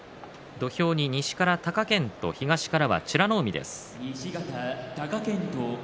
土俵が西から貴健斗東から美ノ海です。